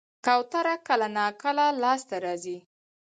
کوتره کله ناکله لاس ته راځي.